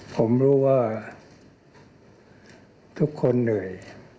ผมรู้ว่าทุกคนเหนื่อย